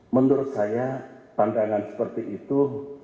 menurut saya pandangan seperti itu